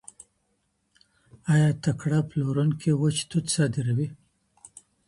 ایا تکړه پلورونکي وچ توت صادروي؟